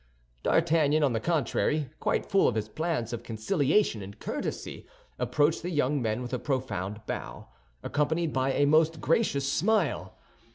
D'Artagnan, on the contrary, quite full of his plans of conciliation and courtesy, approached the young men with a profound bow, accompanied by a most gracious smile.